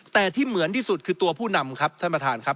แต่ที่เหมือนที่สุดคือตัวผู้นำครับท่านประธานครับ